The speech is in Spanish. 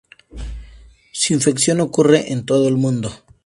Su infección ocurre en todo el mundo.